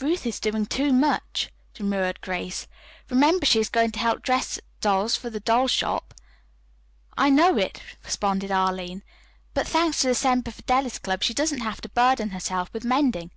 "Ruth is doing too much," demurred Grace. "Remember she is going to help dress dolls for the doll shop." "I know it," responded Arline, "but, thanks to the Semper Fidelis Club, she doesn't have to burden herself with mending.